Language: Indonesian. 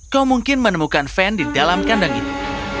kau mungkin menemukan van di dalam kandang itu